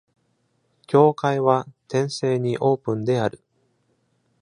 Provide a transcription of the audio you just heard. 教会は転生にオープンである。